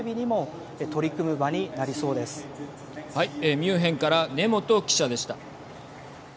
ミュンヘンから根本記者でした。